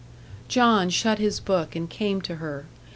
John shut his book and came to her.